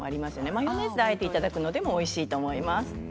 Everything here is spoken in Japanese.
マヨネーズであえていただくのもいいと思います。